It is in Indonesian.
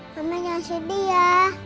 mama jangan sedih ya